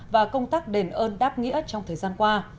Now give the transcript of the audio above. và công tác đền ơn đáp nghĩa trong thời gian qua